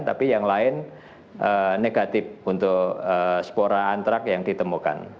tapi yang lain negatif untuk spora antrak yang ditemukan